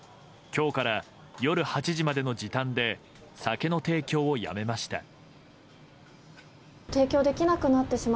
今日から夜８時までの時短で酒の提供をやめました。